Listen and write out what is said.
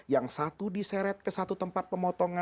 yang satu diseret ke satu tempat pemotongan